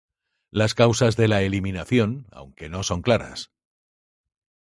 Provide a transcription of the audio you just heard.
Las causas de la eliminación aunque no son claras.